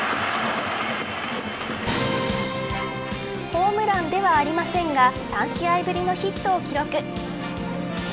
ホームランではありませんが３試合ぶりのヒットを記録。